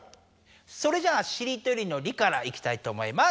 それじゃあ「しりとり」の「り」からいきたいと思います。